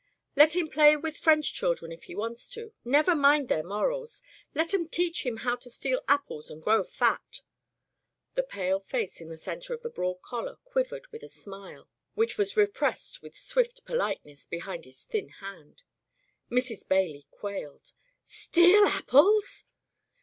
"Let him play with French children if he wants to. Never mind their morals. Let 'em teach him how to steal apples and grow fat!" The pale face in the centre of the broad collar quivered with a smile which was re pressed with swift politeness behind his thin hand. Mrs. Bailey quailed. "Steal apples!"